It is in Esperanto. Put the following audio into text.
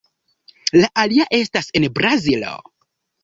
La alia estas en Brazilo.